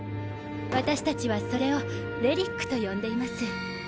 私たちはそれを遺物と呼んでいます。